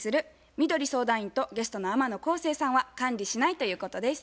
みどり相談員とゲストの天野浩生さんは「管理しない」ということです。